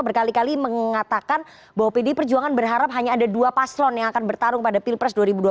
berkali kali mengatakan bahwa pdi perjuangan berharap hanya ada dua paslon yang akan bertarung pada pilpres dua ribu dua puluh